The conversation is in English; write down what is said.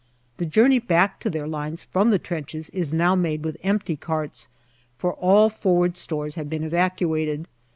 The journey back to their lines from the trenches is now made with empty carts, for all forward stores have been evacuated.